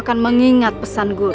akan mengingat pesan guru